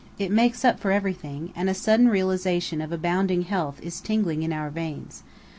It makes up for everything, and a sudden realization of abounding health is tingling in our veins.